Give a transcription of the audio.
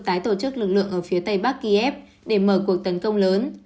tái tổ chức lực lượng ở phía tây bắc kiev để mở cuộc tấn công lớn